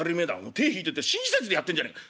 手ぇ引いてって親切でやってんじゃねえか。